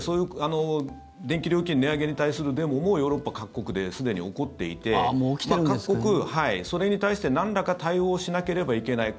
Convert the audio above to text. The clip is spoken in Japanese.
電気料金の値上げに対するデモもヨーロッパ各国ですでに起こっていて各国、それに対してなんらか対応しなければいけない